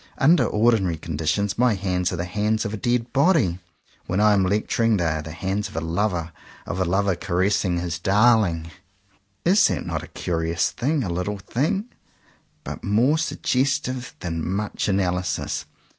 Under ordinary conditions my hands are the hands of a dead body. When I am lectur ing they are the hands of a lover; of a lover caressing his darling! Is that not a curious thing? — a little thing, but more suggestive than much analysis.